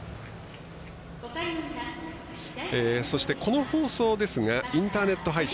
そして、この放送ですがインターネット配信